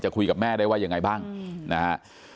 คุยกับแม่ได้ว่ายังไงบ้างนะฮะ